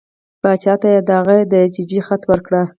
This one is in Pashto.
باچا ته یې هغه د ججې خط ورکړ.